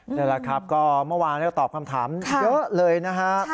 นี่แหละครับก็เมื่อวานก็ตอบคำถามเยอะเลยนะฮะ